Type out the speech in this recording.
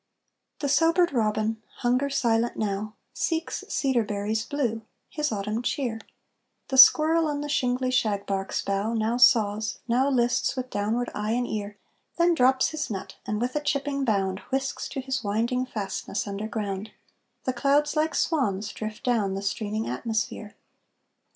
The sobered robin, hunger silent now, Seeks cedar berries blue, his autumn cheer; The squirrel on the shingly shagbark's bough, Now saws, now lists with downward eye and ear, Then drops his nut, and, with a chipping bound, Whisks to his winding fastness underground; The clouds like swans drift down the streaming atmosphere.